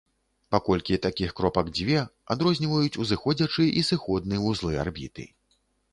Паколькі такіх кропак дзве, адрозніваюць узыходзячы і сыходны вузлы арбіты.